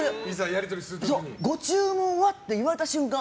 ご注文は？って言われた瞬間